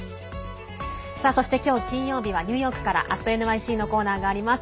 そして今日、金曜日はニューヨークから「＠ｎｙｃ」のコーナーがあります。